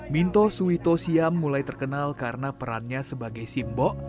minto suwito siam mulai terkenal karena perannya sebagai simbok